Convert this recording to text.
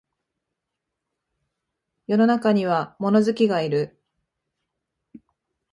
世の中には物好きがいる